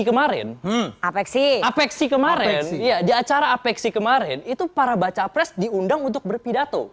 kemarin apeksi apeksi kemarin di acara apeksi kemarin itu para baca pres diundang untuk berpidato